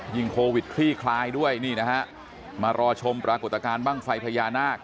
โควิดคลี่คลายด้วยนี่นะฮะมารอชมปรากฏการณ์บ้างไฟพญานาค